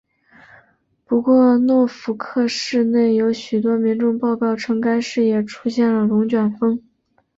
不过诺福克市内有许多民众报告称该市也出现了龙卷风。